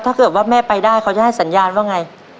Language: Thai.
ถ้าเกิดว่าแม่ไปได้เขาจะให้สัญญาณว่าไง